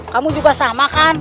kamu juga sama kan